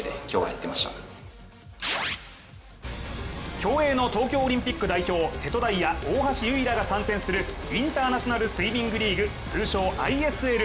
競泳の東京オリンピック代表、瀬戸大也、大橋悠依らが参戦するインターナショナルスイミングリーグ通称ＩＳＬ。